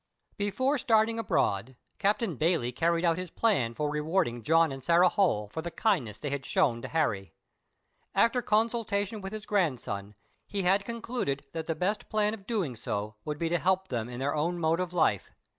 ] Before starting abroad, Captain Bayley carried out his plan for rewarding John and Sarah Holl for the kindness they had shown to Harry. After consultation with his grandson, he had concluded that the best plan of doing so would be to help them in their own mode of life.